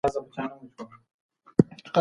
ماشومان د پسرلي په موسم کې ډېر خوشاله وي.